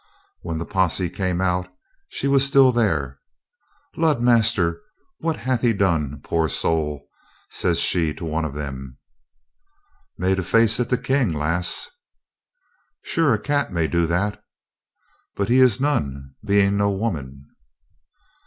When the posse came out she was still there. "Lud, master, what hath he done, poor soul?" says she to one of them. "Made a face at the King, lass !" "Sure a cat may do that" "But he is none, being no woman."